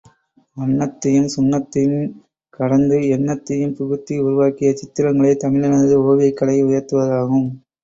வண்ணத்தையும் சுண்ணத்தையம் கடந்து எண்ணத்தையும் புகுத்தி உருவாக்கிய சித்திரங்களே தமிழனது ஓவியக் கலையை உயர்த்துவதாகும்.